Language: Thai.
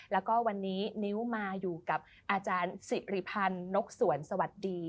แล้วก็วันนี้นิ้วมาอยู่กับอาจารย์สิริพันธ์นกสวนสวัสดี